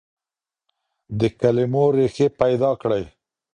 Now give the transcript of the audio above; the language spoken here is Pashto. د کلمو ريښې پيدا کړئ.